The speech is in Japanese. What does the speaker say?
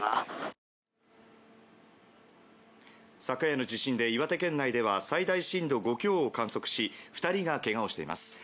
昨夜の地震で岩手県内では最大震度５強を観測し２人がけがをしています。